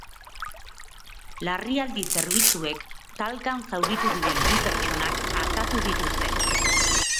Larrialdi zerbitzuek talkan zauritu diren bi pertsonak artatu dituzte.